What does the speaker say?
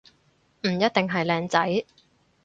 唔一定係靚仔